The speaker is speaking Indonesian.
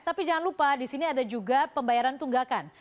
tapi jangan lupa disini ada juga pembayaran tunggakan